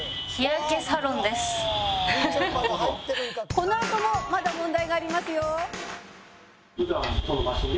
「このあともまだ問題がありますよ」